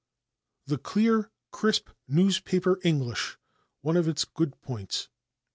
The "Clear, Crisp Newspaper English" One of Its Good Points."